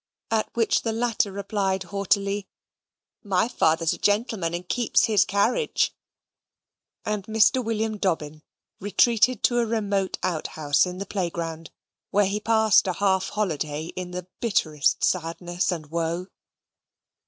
At which the latter replied haughtily, "My father's a gentleman, and keeps his carriage"; and Mr. William Dobbin retreated to a remote outhouse in the playground, where he passed a half holiday in the bitterest sadness and woe.